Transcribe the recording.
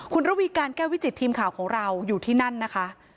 คุณระวีการแก้ววิจิตทีมข่าวของเราอยู่ที่นั่นนะคะ